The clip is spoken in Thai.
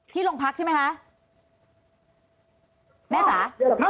โรงพักใช่ไหมคะแม่จ๋า